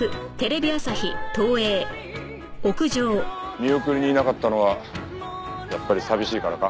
見送りにいなかったのはやっぱり寂しいからか？